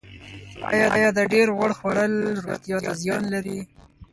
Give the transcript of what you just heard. ایا د ډیر غوړ خوړل روغتیا ته زیان لري